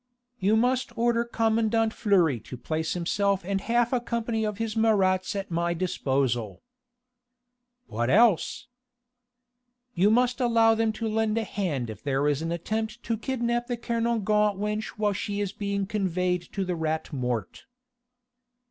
"You must order Commandant Fleury to place himself and half a company of his Marats at my disposal." "What else?" "You must allow them to lend a hand if there is an attempt to kidnap the Kernogan wench while she is being conveyed to the Rat Mort...."